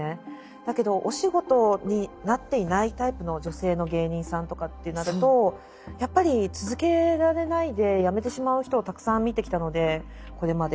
だけどお仕事になっていないタイプの女性の芸人さんとかってなるとやっぱり続けられないでやめてしまう人をたくさん見てきたのでこれまで。